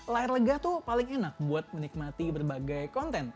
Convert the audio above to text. layar lega tuh paling enak buat menikmati berbagai konten